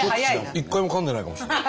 一回もかんでないかもしれない。